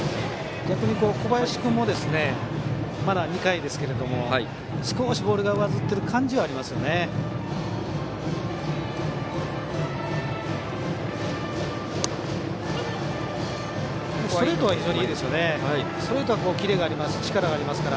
逆に小林君もまだ２回ですが少しボールが上ずってる感じがしますね。